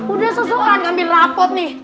udah susukan ngambil rapot nih